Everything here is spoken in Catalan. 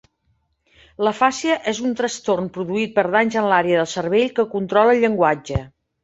L'afàsia és un trastorn produït per danys en l’àrea del cervell que controla el llenguatge.